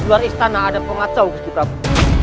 di luar istana ada pengacau gus jutabu